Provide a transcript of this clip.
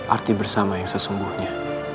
arti bersama yang sesungguhnya